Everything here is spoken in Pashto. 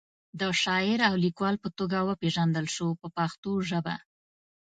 د شاعر او لیکوال په توګه وپیژندل شو په پښتو ژبه.